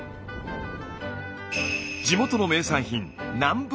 地元の名産品